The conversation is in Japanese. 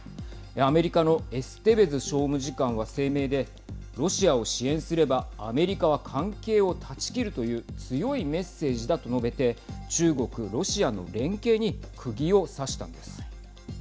アメリカのエステベズ商務次官は声明でロシアを支援すればアメリカは関係を断ち切るという強いメッセージだと述べて中国、ロシアの連携にくぎをさしたんです。